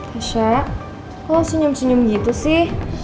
tasha kok lo senyum senyum gitu sih